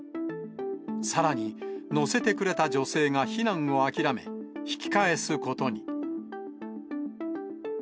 さらに、乗せてくれた女性が避難を諦め、引き返すことに。